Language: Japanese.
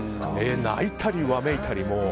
泣いたり、わめいたり。